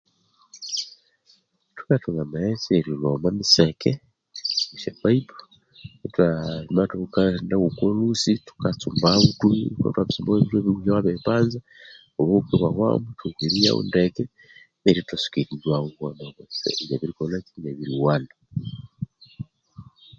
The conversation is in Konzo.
Thukathunga amaghetse erilhwa omwa miseke, esya paipu, thwamabya ithuka yendagho oko lhusi, thuka tsumbagho thukabya ithwabirihuhyagho ithwabirihuhyagho inabiripanza, obuhuka ibwahwamu ithwathoka erinywawu ndeke, neryo ithwatsuka erinywawu kundi akabya inabiri kolhakyi? inabiriwana.